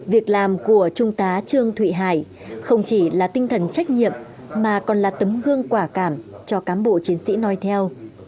việc làm của trung tá trương thụy hải không chỉ là tinh thần trách nhiệm mà còn là tấm gương quả cảm cho cám bộ chiến sĩ nói theo